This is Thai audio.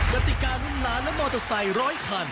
หัตติกานุ้นร้านและมอเตอร์ไซค์๑๐๐คัน